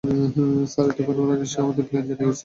Sir, এতক্ষণে ওরা নিশ্চয়ই আমাদের প্ল্যান জেনে গেছে।